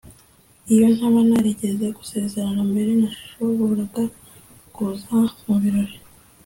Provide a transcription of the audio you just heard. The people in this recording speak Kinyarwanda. iyo ntaba narigeze gusezerana mbere, nashoboraga kuza mubirori